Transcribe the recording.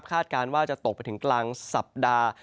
การว่าจะตกไปถึงกลางสัปดาห์